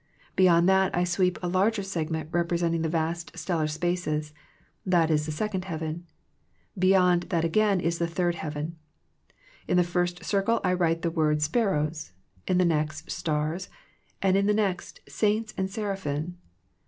Beyond that I sweep a larger segment representing the vast stellar spaces. That is the second heaven. Beyond that again is the third heaven. In the first circle I write the word " spar rows "; in the next " stars," and in the next " saints and seraphim."